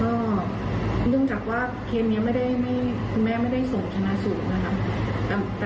ก็เบื้องจากว่าทีนี้คุณแม่ไม่ได้ส่งชนะสูตรนะครับ